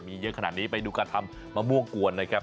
มีเยอะขนาดนี้ไปดูการทำมะม่วงกวนนะครับ